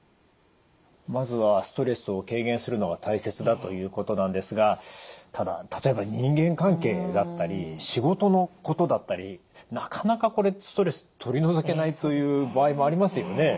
まずはストレスを軽減するのが大切だということなんですがただ例えば人間関係だったり仕事のことだったりなかなかこれストレス取り除けないという場合もありますよね。